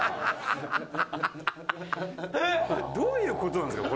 どういう事なんですか？